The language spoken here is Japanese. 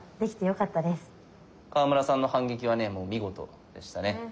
川村さんの反撃はねもう見事でしたね。